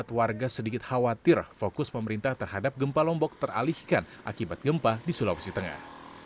warga sedikit khawatir fokus pemerintah terhadap gempa lombok teralihkan akibat gempa di sulawesi tengah